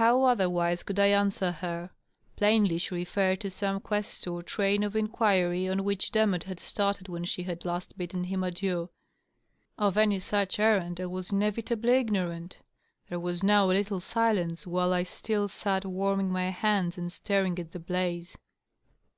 How otherwise could I answer her? Plainly, she referred to some quest or train of inquiry on which Demotte had started when she had last bidden him adieu. Of any such errand I was inevitably ignorant. There was now a little silence, while I still sat warming my hands and staring at the blaze.